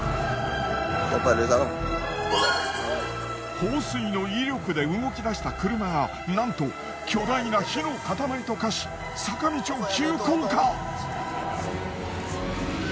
放水の威力で動き出した車がなんと巨大な火の塊と化し坂道を急降下！